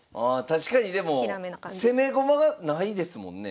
確かにでも攻め駒がないですもんね。